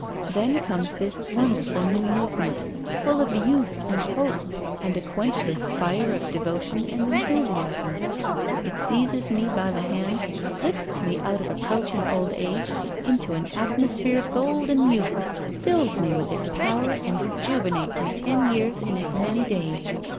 Then comes this wonder ful new movement, full of youth and hope and a quenchless fire of devotion and enthusiasm. It seizes me by the hand, lifts me out of approaching old age into an atmosphere of golden youth, fills me with its power and rejuvenates me ten years in as many days.